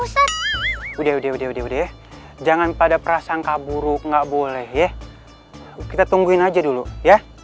ustadz udah udah udah udah jangan pada prasangka buruk nggak boleh ya kita tungguin aja dulu ya